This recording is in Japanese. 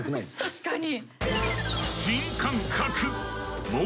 確かに。